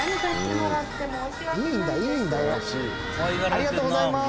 ありがとうございます。